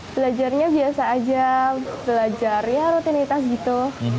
belajarnya biasa aja belajar ya rutinitas gitu